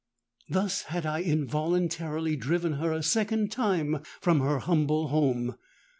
"Thus had I involuntarily driven her a second time from her humble home!